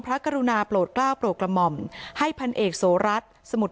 กรุณาโปรดกล้าวโปรดกระหม่อมให้พันเอกโสรัตน์สมุทร